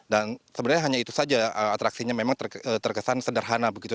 dan sebenarnya hanya itu saja atraksinya memang terkesan sederhana begitu